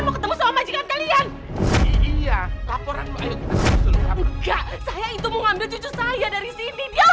mau ketemu sama majikan kalian iya laporan enggak saya itu mau ngambil cucu saya dari sini dia